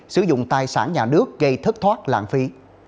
sử dụng tài sản nhà nước gây thất thoát lãng phí